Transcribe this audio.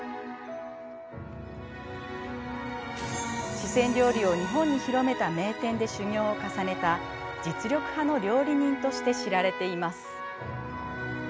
四川料理を日本に広めた名店で修業を重ねた実力派の料理人として知られています。